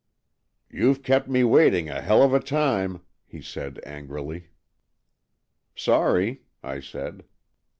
" You've kept me waiting a hell of a time," he said angrily. '' Sorry," I said.